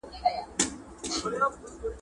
څوک به زما په مرګ خواشینی څوک به ښاد وي؟!